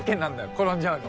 転んじゃうの。